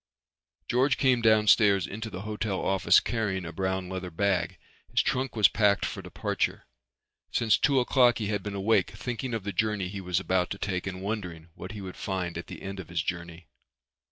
George came downstairs into the hotel office carrying a brown leather bag. His trunk was packed for departure. Since two o'clock he had been awake thinking of the journey he was about to take and wondering what he would find at the end of his journey.